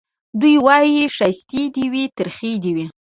دی وايي ښايستې دي وي ترخې دي وي